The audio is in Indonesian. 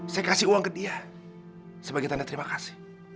saya kasih uang ke dia sebagai tanda terima kasih